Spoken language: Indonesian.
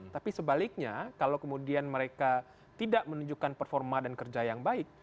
tapi sebaliknya kalau kemudian mereka tidak menunjukkan performa dan kerja yang baik